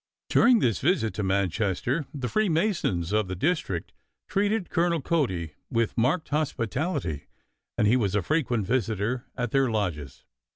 During this visit to Manchester the Freemasons of the district treated Colonel Cody with marked hospitality, and he was a frequent visitor at their lodges.